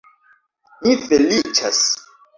Mi feliĉas.